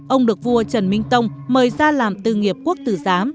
ông được vua trần minh tông mời ra làm tư nghiệp quốc tử giám